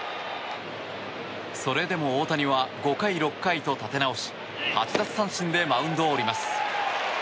それでも大谷は５回、６回と立て直し８奪三振でマウンドを降ります。